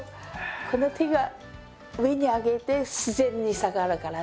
この手が上に上げて自然に下がるからね。